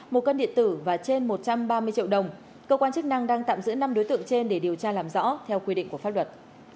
một cân điện tử và trên một trăm ba mươi triệu đồng cơ quan chức năng đang tạm giữ năm đối tượng trên để điều tra làm rõ theo quy định của pháp luật